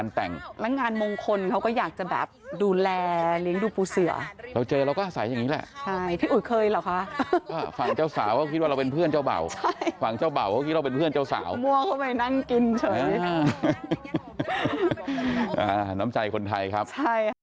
ฝั่งเจ้าบ่าวเขาคิดเราเป็นเพื่อนเจ้าสาวมั่วเข้าไปนั่งกินเฉยน้ำใจคนไทยครับใช่